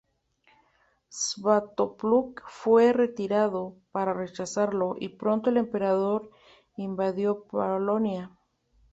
Svatopluk fue retirado para rechazarlo, y pronto el emperador invadió Polonia.